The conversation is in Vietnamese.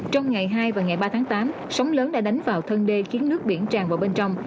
trong ngày hai và ngày ba tháng tám sóng lớn đã đánh vào thân đê khiến nước biển tràn vào bên trong